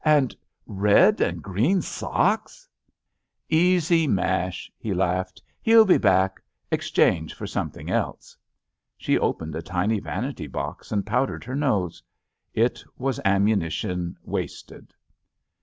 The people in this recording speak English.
"And red and green socks!" JUST SWEETHEARTS JjJ "Easy mash," he laughed, "he'll be back. Exchange for something else." She opened a tiny vanity box and powdered her nose. It was ammunition wasted.